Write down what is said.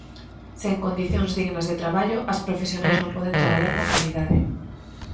Sen condicións dignas de traballo, as profesionais non poden traballar con calidade.